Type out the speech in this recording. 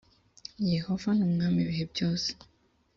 yehova numwami ibihebyose.